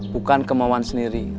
bukan kemauan sendiri